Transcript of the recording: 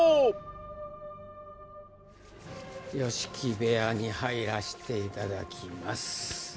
部屋に入らしていただきます